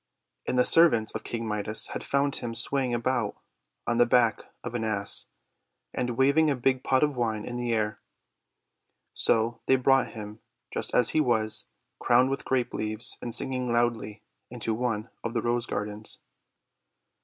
And the servants of King Midas had found him swaying about on the back of an Ass, and waving a big pot of wine in the air. So they brought him, just as he was, crowned with grape leaves and singing loudly, into one of the Rose Gardens.